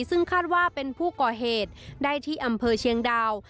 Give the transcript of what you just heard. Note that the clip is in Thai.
ซึ่งคาดว่าเป็นผู้ก่อเหตุได้ที่อำเภอเชียงดาว